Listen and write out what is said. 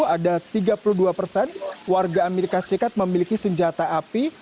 ada tiga puluh dua persen warga amerika serikat memiliki senjata api